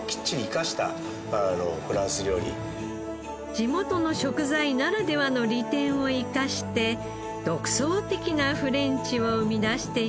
地元の食材ならではの利点を生かして独創的なフレンチを生み出しています。